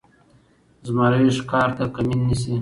زمری ښکار ته کمین نیسي.